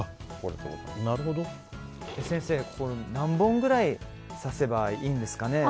先生、何本くらい刺せばいいんですかね。